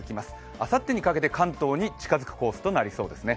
あさってにかけて関東に近づくコースとなりそうですね。